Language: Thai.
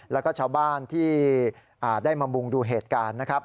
แล้วก็ชาวบ้านที่ได้มามุงดูเหตุการณ์นะครับ